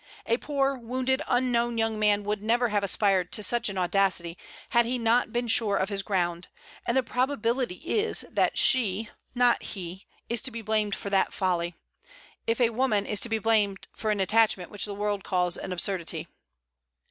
A poor, wounded, unknown young man would never have aspired to such an audacity had he not been sure of his ground; and the probability is that she, not he, is to be blamed for that folly, if a woman is to be blamed for an attachment which the world calls an absurdity.